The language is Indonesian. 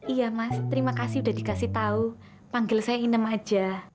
iya mas terima kasih sudah dikasih tahu panggil saya innem aja